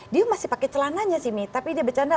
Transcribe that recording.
dia masih pakai celananya sih tapi dia bercanda